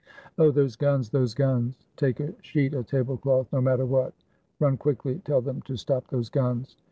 ''Oh! those guns, those guns! Take a sheet, a table cloth, no matter what! Run quickly, tell them to stop those guns!"